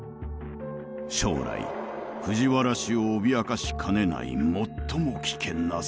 将来藤原氏を脅かしかねない最も危険な存在。